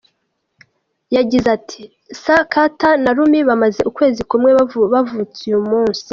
Yagize ati” Sir Carter na Rumi bamaze ukwezi kumwe bavutse uyu munsi”.